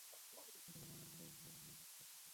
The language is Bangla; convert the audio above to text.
তোমাকে জানালার বাইরে নাক বের করতে দেব।